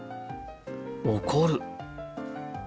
怒る。